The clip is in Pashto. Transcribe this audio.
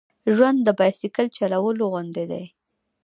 ژوند د بایسکل د چلولو غوندې دی.